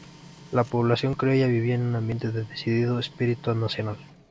La población criolla vivía un ambiente de decidido espíritu nacional.